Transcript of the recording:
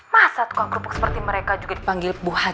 masa tukang kerupuk seperti mereka bisa diberikan kemudahan